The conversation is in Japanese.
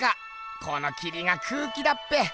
このきりが空気だっぺ。